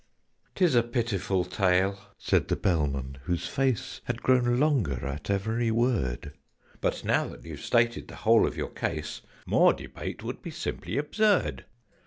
"'Tis a pitiful tale," said the Bellman, whose face Had grown longer at every word: "But, now that you've stated the whole of your case, More debate would be simply absurd.